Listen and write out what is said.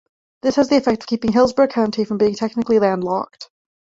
This has the effect of keeping Hillsborough County from being technically landlocked.